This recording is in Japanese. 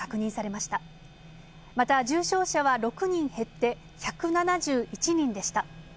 また重症者は６人減って１７１人でした。